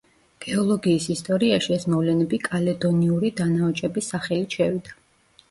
გეოლოგიის ისტორიაში ეს მოვლენები კალედონიური დანაოჭების სახელით შევიდა.